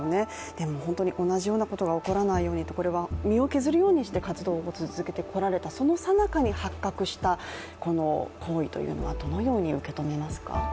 でも、本当に同じようなことが起こらないようにと、身を削るようにして活動を続けてこられたそのさなかに発覚した、この行為というのはどのように受け止めますか？